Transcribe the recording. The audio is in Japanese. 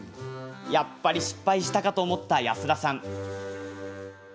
やっぱり失敗したかと思った安田さん。